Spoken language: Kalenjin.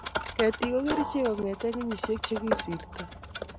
Ketik go gerichek kongete kenyit ikisirto